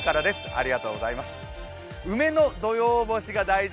ありがとうございます。